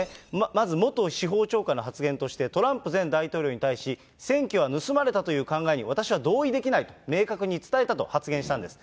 まず元司法長官の発言として、トランプ前大統領に対し、選挙は盗まれたという考えに私は同意できないと、明確に伝えたと発言したんです。